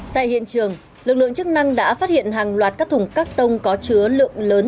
tại hiện trường lực lượng chức năng đã phát hiện hàng loạt các thùng cắt tông có chứa lượng lớn